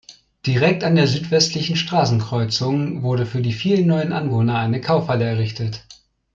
Direkt an der südwestlichen Straßenkreuzung wurde für die vielen neuen Anwohner eine Kaufhalle errichtet.